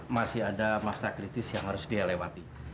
masih ada masa kritis yang harus dia lewati